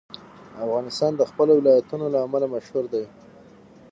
افغانستان د خپلو ولایتونو له امله هم مشهور دی.